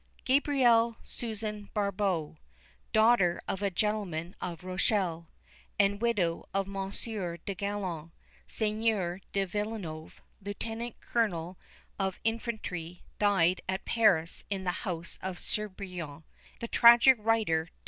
GABRIELLE SUSANNE BARBOT, "daughter of a gentleman of Rochelle," and widow of Monsieur de Gallon, Seigneur de Villeneuve, Lieutenant Colonel of Infantry, died at Paris, in the house of Crebillon, the tragic writer, Dec.